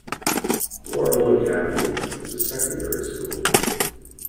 Wardle Academy is a secondary School.